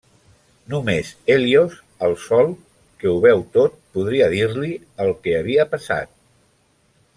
Només Hèlios, el Sol, que ho veu tot podria dir-li el que havia passat.